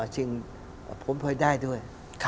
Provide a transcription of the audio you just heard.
จริงผมเคยได้ด้วย